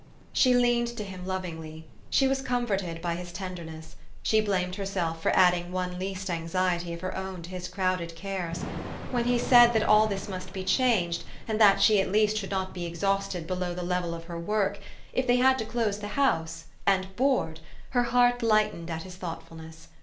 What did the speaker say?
She leaned to him lovingly ; she was comforted by his tenderness ; she blamed herself for adding one least anxiety of her own to his crowded cares. When he said that all this must be changed, and that she at least should not be exhausted below the level of her work, if they had to close the house, and board, her heart lightened at his thoughtfulness.